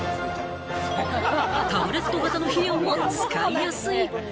タブレット型の肥料も使いやすい。